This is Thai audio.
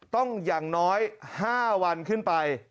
อย่างน้อย๕วันขึ้นไป